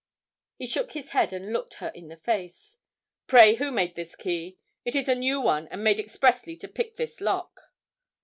He shook his head and looked her in the face. 'Pray, who made this key? It is a new one, and made expressly to pick this lock.'